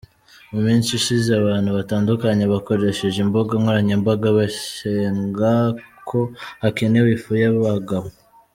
Mu minsi ishize abantu batandukanye bakoresheje imbuga nkoranyambaga bashyenga ko hakenewe ifu y’abagabo.